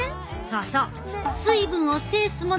そうそう。